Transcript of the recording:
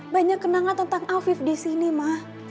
banyak kenangan tentang afif di sini mah